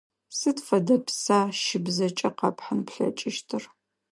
Сыд фэдэ пса щыбзэкӀэ къэпхьын плъэкӀыщтыр?